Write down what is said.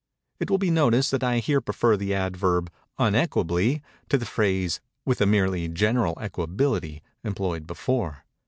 It will be noticed that I here prefer the adverb "unequably" to the phrase "with a merely general equability," employed before.